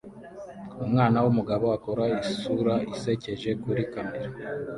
Umwana wumugabo akora isura isekeje kuri kamera